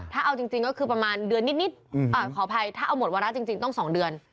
ถ้าเอาจริงก็คือประมาณเดือนนิดขออภัยถ้าเอาหมดวาระจริงต้อง๒เดือน